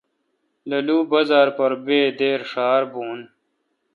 للو بازار پر بے دیر ݭار بھون۔